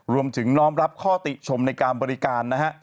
น้อมรับข้อติชมในการบริการนะฮะ